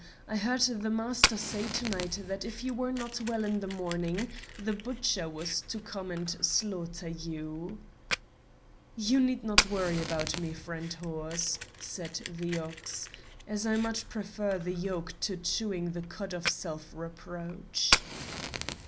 I heard the master say to night that if you were not well in the morning, the butcher was to come and slaughter you." "You need not worry about me, friend horse," said the ox, "as I much prefer the yoke to chewing the cud of self reproach."